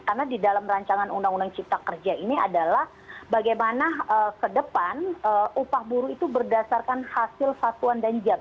karena di dalam rancangan undang undang cipta kerja ini adalah bagaimana ke depan upah buruh itu berdasarkan hasil satuan dan jap